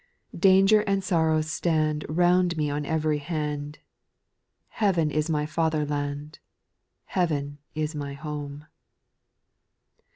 Danger and sorrow stand Round me on every hand, Heaven is my father land, Heaven is my home.